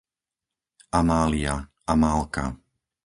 Amália, Amálka